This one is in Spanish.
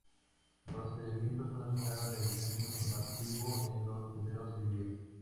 Doce mil personas visitaron el centro informativo en los primeros seis días.